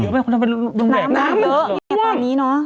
อืมน้ำมาเยอะตอนนี้เนอะ